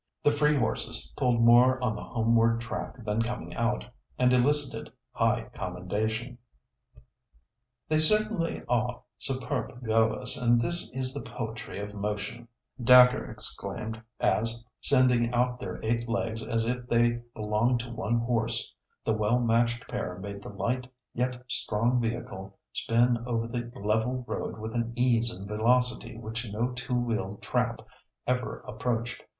The free horses pulled more on the homeward track than coming out, and elicited high commendation. "They certainly are superb goers, and this is the poetry of motion," Dacre exclaimed, as, sending out their eight legs as if they belonged to one horse, the well matched pair made the light, yet strong vehicle spin over the level road with an ease and velocity which no two wheeled trap ever approached.